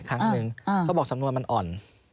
ครั้งหนึ่งเขาบอกสำนวนมันอ่อน